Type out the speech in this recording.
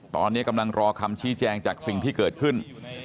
ตอนนี้กำลังรอคำชี้แจงจากสิ่งที่เกิดขึ้น